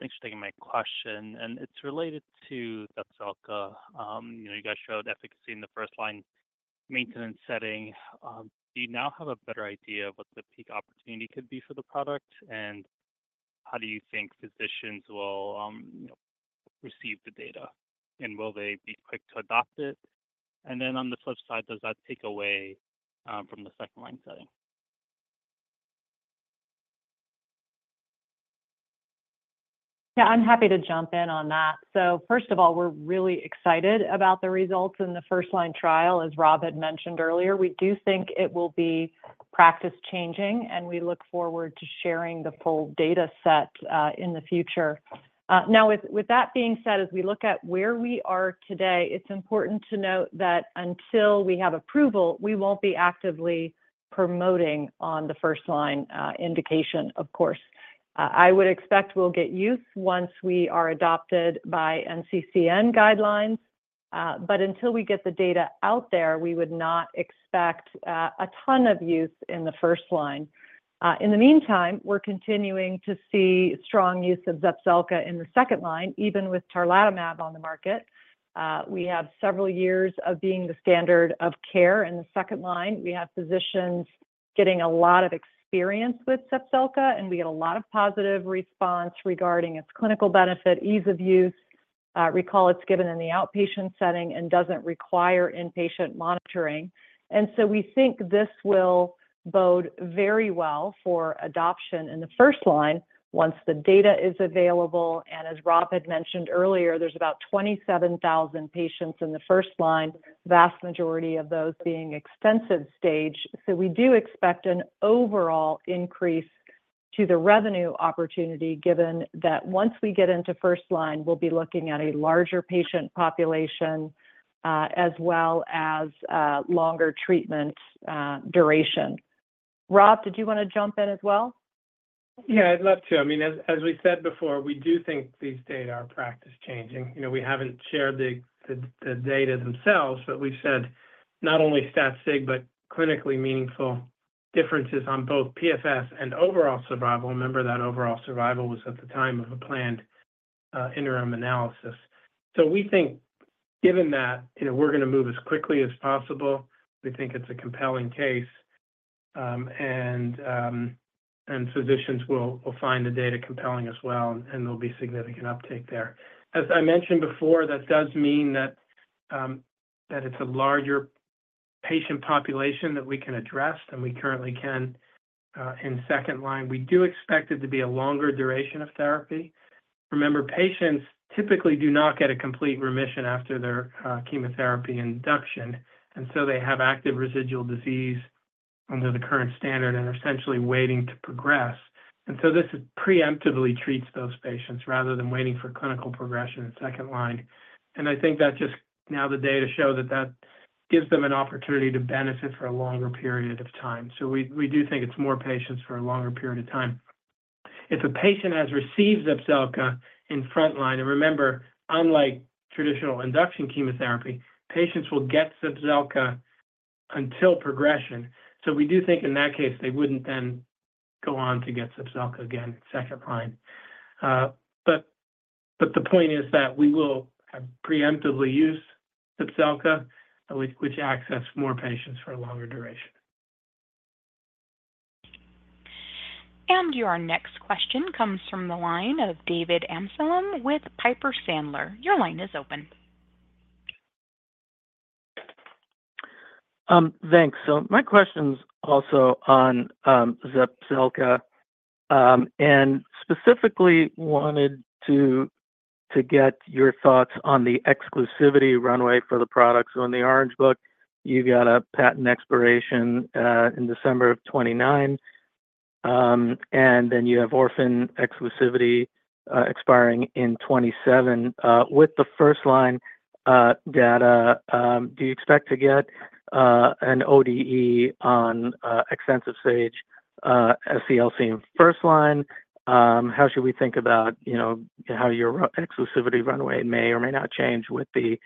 Thanks for taking my question. It's related to that Zepzelka. You guys showed efficacy in the first-line maintenance setting. Do you now have a better idea of what the peak opportunity could be for the product? And how do you think physicians will receive the data? And will they be quick to adopt it? And then on the flip side, does that take away from the second-line setting? Yeah, I'm happy to jump in on that. So first of all, we're really excited about the results in the first-line trial, as Rob had mentioned earlier. We do think it will be practice-changing, and we look forward to sharing the full data set in the future. Now, with that being said, as we look at where we are today, it's important to note that until we have approval, we won't be actively promoting on the first-line indication, of course. I would expect we'll get use once we are adopted by NCCN Guidelines. But until we get the data out there, we would not expect a ton of use in the first line. In the meantime, we're continuing to see strong use of Zepzelca in the second line, even with tarlatamab on the market. We have several years of being the standard of care in the second line. We have physicians getting a lot of experience with Zepzelca, and we get a lot of positive response regarding its clinical benefit, ease of use. Recall, it's given in the outpatient setting and doesn't require inpatient monitoring. We think this will bode very well for adoption in the first line once the data is available. As Rob had mentioned earlier, there's about 27,000 patients in the first line, vast majority of those being extensive stage. We do expect an overall increase to the revenue opportunity, given that once we get into first line, we'll be looking at a larger patient population as well as longer treatment duration. Rob, did you want to jump in as well? Yeah, I'd love to. I mean, as we said before, we do think these data are practice-changing. We haven't shared the data themselves, but we've said not only stat-sig, but clinically meaningful differences on both PFS and overall survival. Remember that overall survival was at the time of a planned interim analysis. So we think, given that, we're going to move as quickly as possible. We think it's a compelling case. And physicians will find the data compelling as well, and there'll be significant uptake there. As I mentioned before, that does mean that it's a larger patient population that we can address than we currently can in second line. We do expect it to be a longer duration of therapy. Remember, patients typically do not get a complete remission after their chemotherapy induction. And so they have active residual disease under the current standard and are essentially waiting to progress. And so this preemptively treats those patients rather than waiting for clinical progression in second line. And I think that just now the data show that that gives them an opportunity to benefit for a longer period of time. So we do think it's more patients for a longer period of time. If a patient has received Zepzelca in front line, and remember, unlike traditional induction chemotherapy, patients will get Zepzelca until progression. So we do think in that case, they wouldn't then go on to get Zepzelca again in second line. But the point is that we will preemptively use Zepzelca, which access more patients for a longer duration. Your next question comes from the line of David Amsellem with Piper Sandler. Your line is open. Thanks. So my question's also on Zepzelca. And specifically, wanted to get your thoughts on the exclusivity runway for the product. So in the Orange Book, you got a patent expiration in December of 2029. And then you have orphan exclusivity expiring in 2027. With the first-line data, do you expect to get an ODE on extensive stage SCLC in first line? How should we think about how your exclusivity runway may or may not change with the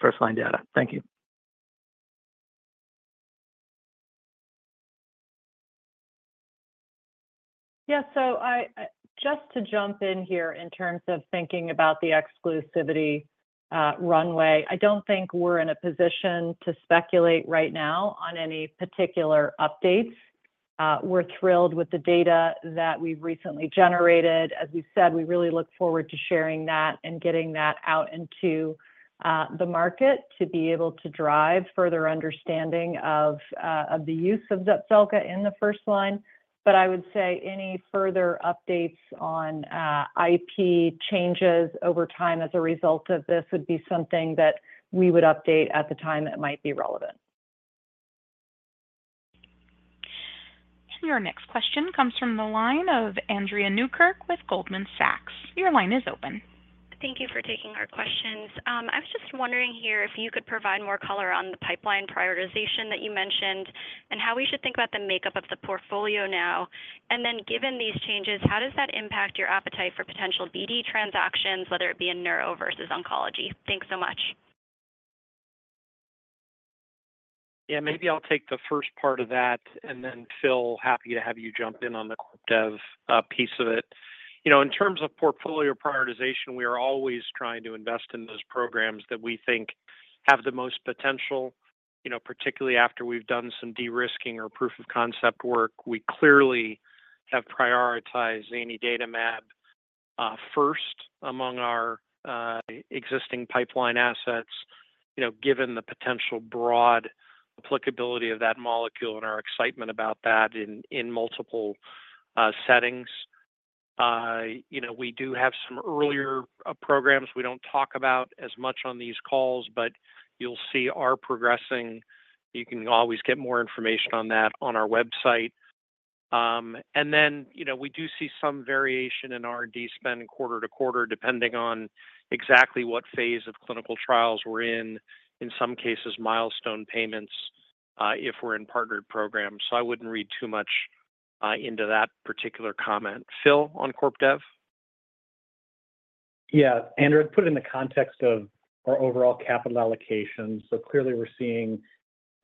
first-line data? Thank you. Yeah. So just to jump in here in terms of thinking about the exclusivity runway, I don't think we're in a position to speculate right now on any particular updates. We're thrilled with the data that we've recently generated. As we said, we really look forward to sharing that and getting that out into the market to be able to drive further understanding of the use of Zepzelca in the first line. But I would say any further updates on IP changes over time as a result of this would be something that we would update at the time that might be relevant. Your next question comes from the line of Andrea Newkirk with Goldman Sachs. Your line is open. Thank you for taking our questions. I was just wondering here if you could provide more color on the pipeline prioritization that you mentioned and how we should think about the makeup of the portfolio now. And then given these changes, how does that impact your appetite for potential BD transactions, whether it be in neuro versus oncology? Thanks so much. Yeah, maybe I'll take the first part of that and then Phil, happy to have you jump in on the dev piece of it. In terms of portfolio prioritization, we are always trying to invest in those programs that we think have the most potential, particularly after we've done some de-risking or proof of concept work. We clearly have prioritized zanidatamab first among our existing pipeline assets, given the potential broad applicability of that molecule and our excitement about that in multiple settings. We do have some earlier programs we don't talk about as much on these calls, but you'll see our progressing. You can always get more information on that on our website. And then we do see some variation in R&D spend quarter to quarter, depending on exactly what phase of clinical trials we're in, in some cases, milestone payments if we're in partnered programs. So I wouldn't read too much into that particular comment. Phil, on CorpDev? Yeah. Andrea, I'd put it in the context of our overall capital allocation. So clearly, we're seeing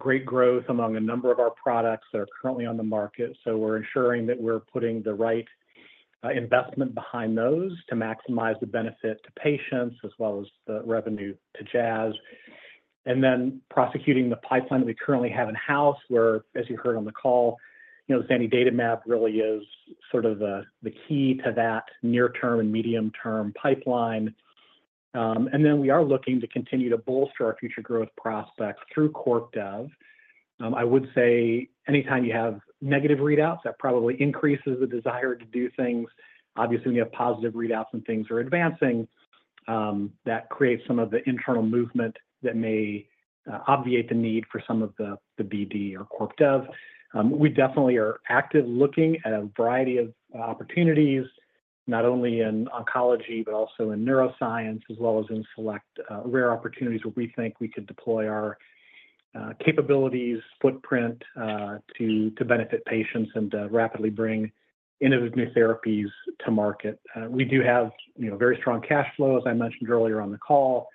great growth among a number of our products that are currently on the market. So we're ensuring that we're putting the right investment behind those to maximize the benefit to patients as well as the revenue to Jazz. And then prosecuting the pipeline that we currently have in-house, where, as you heard on the call, zanidatamab really is sort of the key to that near-term and medium-term pipeline. And then we are looking to continue to bolster our future growth prospects through CorpDev. I would say anytime you have negative readouts, that probably increases the desire to do things. Obviously, when you have positive readouts and things are advancing, that creates some of the internal movement that may obviate the need for some of the BD or CorpDev. We definitely are active looking at a variety of opportunities, not only in oncology, but also in neuroscience, as well as in select rare opportunities where we think we could deploy our capabilities, footprint to benefit patients and to rapidly bring innovative new therapies to market. We do have very strong cash flow, as I mentioned earlier on the call,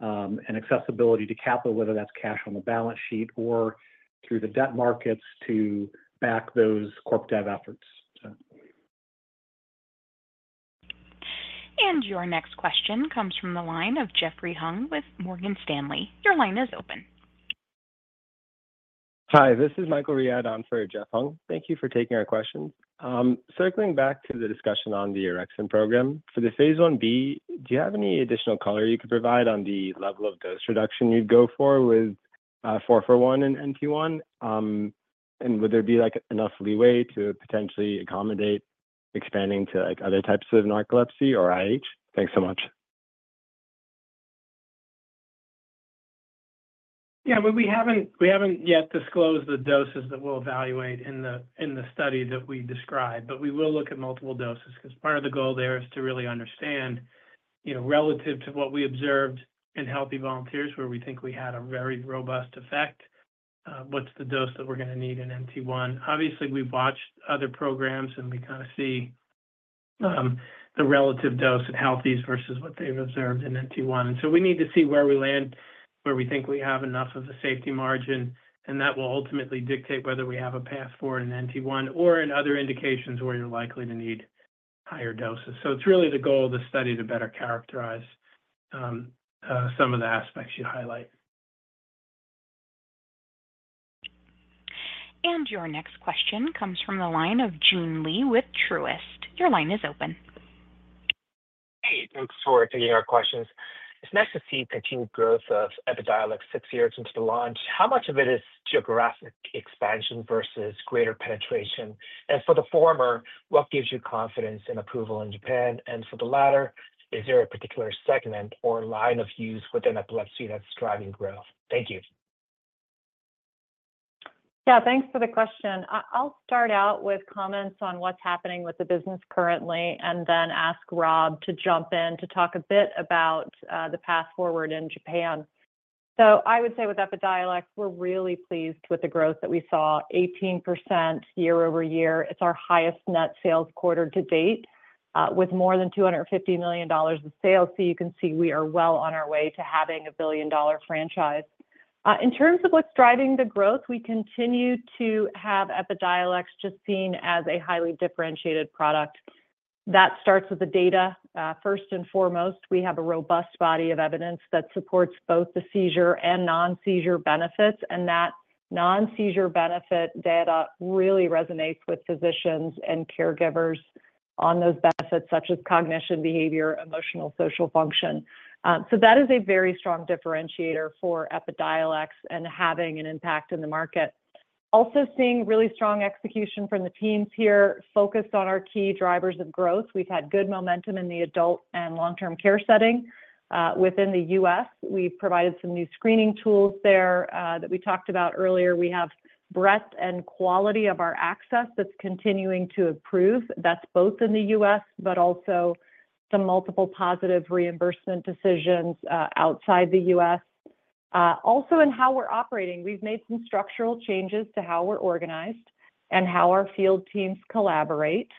and accessibility to capital, whether that's cash on the balance sheet or through the debt markets to back those CorpDev efforts. Your next question comes from the line of Jeffrey Hung with Morgan Stanley. Your line is open. Hi, this is Michael Riad on for Jeff Hung. Thank you for taking our questions. Circling back to the discussion on the orexin program, for the Phase 1b, do you have any additional color you could provide on the level of dose reduction you'd go for with 441 and NT1? And would there be enough leeway to potentially accommodate expanding to other types of narcolepsy or IH? Thanks so much. Yeah, we haven't yet disclosed the doses that we'll evaluate in the study that we described, but we will look at multiple doses because part of the goal there is to really understand relative to what we observed in healthy volunteers, where we think we had a very robust effect, what's the dose that we're going to need in NT1. Obviously, we've watched other programs, and we kind of see the relative dose in healthies versus what they've observed in NT1. And so we need to see where we land, where we think we have enough of a safety margin, and that will ultimately dictate whether we have a path forward in NT1 or in other indications where you're likely to need higher doses. So it's really the goal of the study to better characterize some of the aspects you highlight. And your next question comes from the line of Joon Lee with Truist. Your line is open. Hey, thanks for taking our questions. It's nice to see continued growth of Epidiolex six years into the launch. How much of it is geographic expansion versus greater penetration? And for the former, what gives you confidence in approval in Japan? And for the latter, is there a particular segment or line of use within epilepsy that's driving growth? Thank you. Yeah, thanks for the question. I'll start out with comments on what's happening with the business currently and then ask Rob to jump in to talk a bit about the path forward in Japan. So I would say with Epidiolex, we're really pleased with the growth that we saw: 18% year-over-year. It's our highest net sales quarter to date, with more than $250 million of sales. So you can see we are well on our way to having a billion-dollar franchise. In terms of what's driving the growth, we continue to have Epidiolex just seen as a highly differentiated product. That starts with the data. First and foremost, we have a robust body of evidence that supports both the seizure and non-seizure benefits. And that non-seizure benefit data really resonates with physicians and caregivers on those benefits, such as cognition, behavior, emotional, social function. So that is a very strong differentiator for Epidiolex and having an impact in the market. Also seeing really strong execution from the teams here, focused on our key drivers of growth. We've had good momentum in the adult and long-term care setting. Within the U.S., we've provided some new screening tools there that we talked about earlier. We have breadth and quality of our access that's continuing to improve. That's both in the U.S., but also some multiple positive reimbursement decisions outside the U.S. Also in how we're operating, we've made some structural changes to how we're organized and how our field teams collaborate.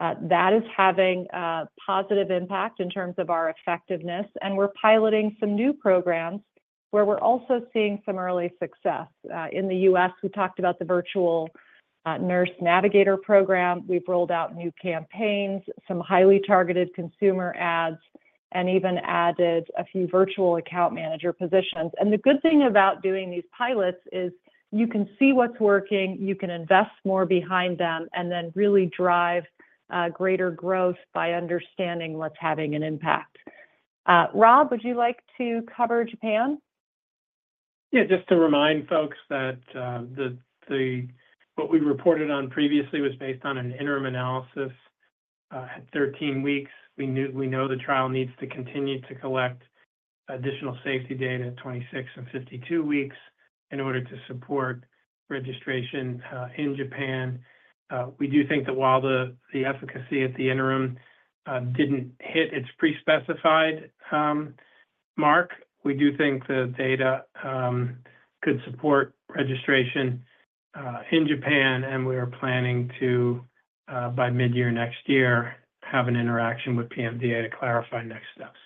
That is having a positive impact in terms of our effectiveness. And we're piloting some new programs where we're also seeing some early success. In the U.S., we talked about the virtual nurse navigator program. We've rolled out new campaigns, some highly targeted consumer ads, and even added a few virtual account manager positions. And the good thing about doing these pilots is you can see what's working, you can invest more behind them, and then really drive greater growth by understanding what's having an impact. Rob, would you like to cover Japan? Yeah, just to remind folks that what we reported on previously was based on an interim analysis at 13 weeks. We know the trial needs to continue to collect additional safety data at 26 and 52 weeks in order to support registration in Japan. We do think that while the efficacy at the interim didn't hit its pre-specified mark, we do think the data could support registration in Japan, and we are planning to, by mid-year next year, have an interaction with PMDA to clarify next steps.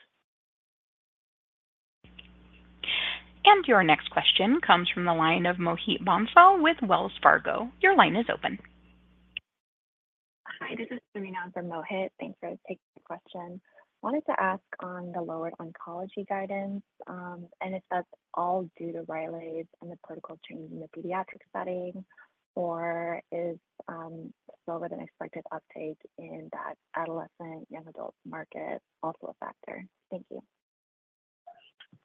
And your next question comes from the line of Mohit Bansal with Wells Fargo. Your line is open. Hi, this is Sanan from Mohit. Thanks for taking the question. I wanted to ask on the lowered oncology guidance and if that's all due to Rylaze and the policy change in the pediatric setting, or is slower than expected uptake in that adolescent, young adult market also a factor? Thank you.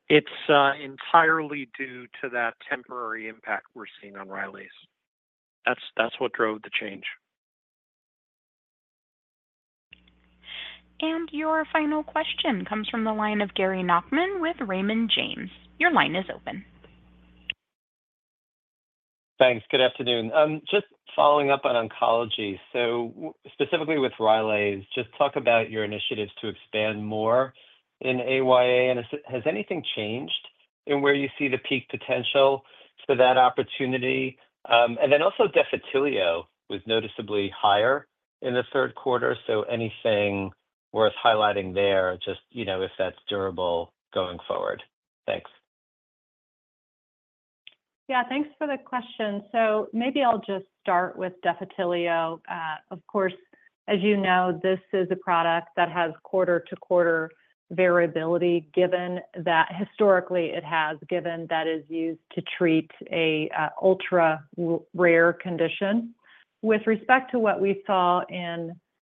It's entirely due to that temporary impact we're seeing on Rylaze. That's what drove the change. And your final question comes from the line of Gary Nachman with Raymond James. Your line is open. Thanks. Good afternoon. Just following up on oncology, so specifically with Rylaze, just talk about your initiatives to expand more in AYA. And has anything changed in where you see the peak potential for that opportunity? And then also Defitelio was noticeably higher in the third quarter. So anything worth highlighting there, just if that's durable going forward. Thanks. Yeah, thanks for the question. So maybe I'll just start with Defitelio. Of course, as you know, this is a product that has quarter-to-quarter variability, given that historically it has given that is used to treat an ultra-rare condition. With respect to what we saw in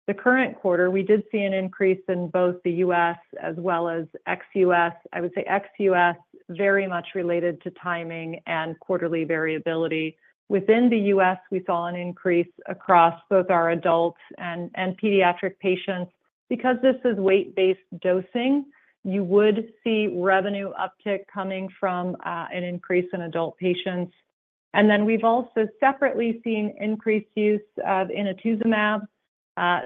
the current quarter, we did see an increase in both the U.S. as well as ex-U.S. I would say ex-U.S. very much related to timing and quarterly variability. Within the U.S., we saw an increase across both our adults and pediatric patients. Because this is weight-based dosing, you would see revenue uptick coming from an increase in adult patients. And then we've also separately seen increased use of inotuzumab.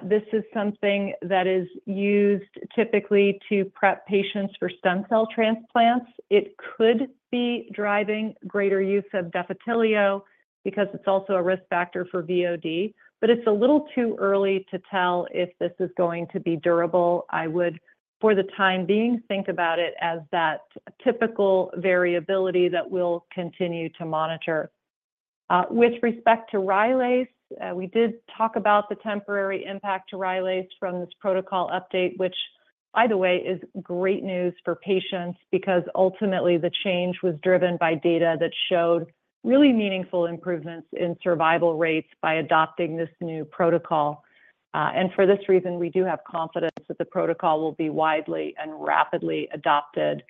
This is something that is used typically to prep patients for stem cell transplants. It could be driving greater use of Defitelio because it's also a risk factor for VOD, but it's a little too early to tell if this is going to be durable. I would, for the time being, think about it as that typical variability that we'll continue to monitor. With respect to Rylaze, we did talk about the temporary impact to Rylaze from this protocol update, which, by the way, is great news for patients because ultimately the change was driven by data that showed really meaningful improvements in survival rates by adopting this new protocol, and for this reason, we do have confidence that the protocol will be widely and rapidly adopted,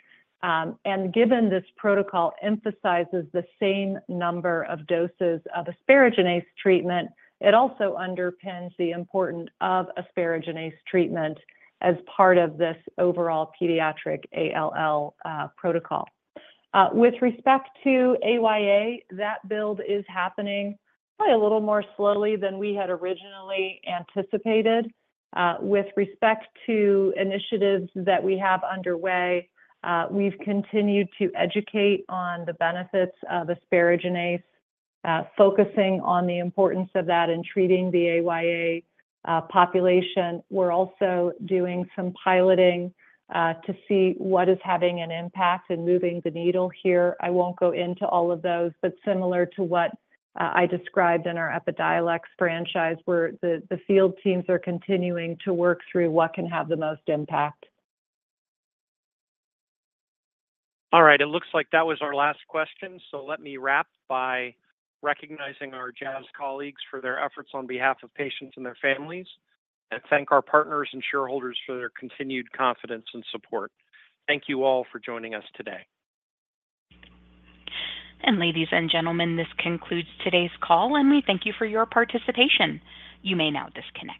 and given this protocol emphasizes the same number of doses of asparaginase treatment, it also underpins the importance of asparaginase treatment as part of this overall pediatric ALL protocol. With respect to AYA, that build is happening probably a little more slowly than we had originally anticipated. With respect to initiatives that we have underway, we've continued to educate on the benefits of asparaginase, focusing on the importance of that in treating the AYA population. We're also doing some piloting to see what is having an impact and moving the needle here. I won't go into all of those, but similar to what I described in our Epidiolex franchise, where the field teams are continuing to work through what can have the most impact. All right. It looks like that was our last question. So let me wrap by recognizing our Jazz colleagues for their efforts on behalf of patients and their families and thank our partners and shareholders for their continued confidence and support. Thank you all for joining us today. Ladies and gentlemen, this concludes today's call, and we thank you for your participation. You may now disconnect.